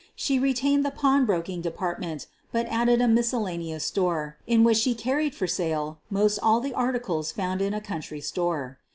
She retained the pawnbroking department, but added a miscellaneous store, in which she carried for sale most all the articles found in a country store.